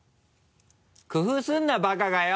工夫するなバカがよ！